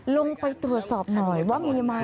ลงไปตรวจสอบหน่อยว่ามีไหม